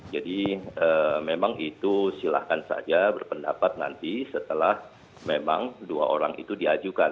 jadi memang itu silahkan saja berpendapat nanti setelah memang dua orang itu diajukan